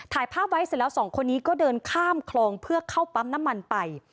ถ่ายภาพไว้เสร็จแล้วสองคนนี้ก็เดินข้ามคลองเพื่อเข้าปั๊มน้ำมันไป